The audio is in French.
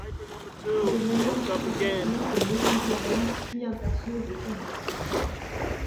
C’est devenu ensuite un personnage de légende urbaine puis un personnage de comics.